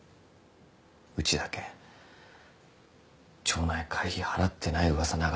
うちだけ町内会費払ってない噂